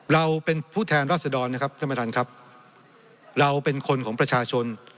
เราเป็นผู้แทนรัศดรนะครับท่านประธานครับเราเป็นคนของประชาชน